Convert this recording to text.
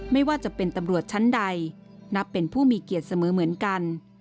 ไม่ว่าจะเป็นตำรวจชั้นใดนับเป็นผู้มีเกียรติเสมอเหมือนกัน